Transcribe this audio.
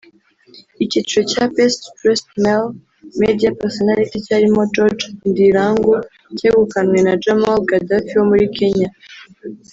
Icyiciro cya Best Dressed Male Media Personality cyarimo George Ndirangu cyegukanwe na Jamal Gaddafi wo muri Kenya